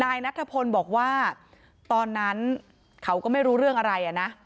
นายนัทพลบอกว่าตอนนั้นเขาก็ไม่รู้เรื่องอะไรอ่ะนะ